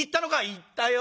「行ったよ。